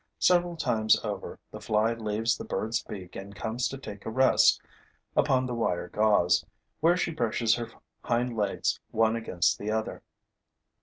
Several times over, the fly leaves the bird's beak and comes to take a rest upon the wire gauze, where she brushes her hind legs one against the other.